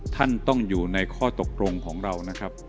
ท่านต้องอยู่ในข้อตกลงของเรานะครับ